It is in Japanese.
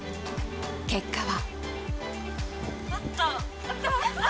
結果は。